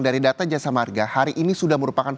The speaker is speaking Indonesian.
dari data jasa marga hari ini sudah merupakan